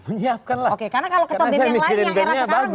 oke karena kalau ketua bem yang lain yang era sekarang